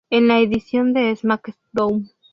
En la edición de SmackDown!